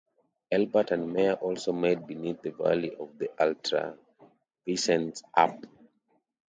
Ebert and Meyer also made "Beneath the Valley of the Ultra-Vixens", "Up!